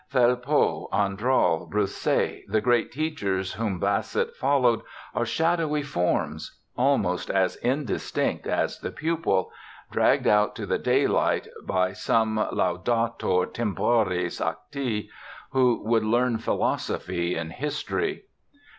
Velpeau, Andral, Broussais, the great teachers whom Bassett followed, are shadowy forms (almost as indistinct as the pupil), dragged out to the daylight by some laudator temporis acti, who would learn philosophy in history.